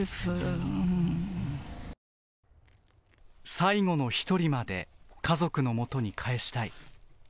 最後の１人まで家族のもとに返したい。